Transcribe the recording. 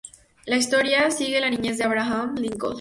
La historia sigue la niñez de Abraham Lincoln.